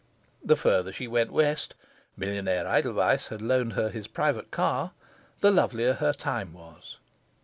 The further she went West millionaire Edelweiss had loaned her his private car the lovelier her time was.